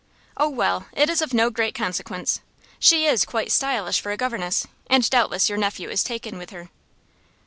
"Oh, well, it is of no great consequence. She is quite stylish for a governess, and doubtless your nephew is taken with her."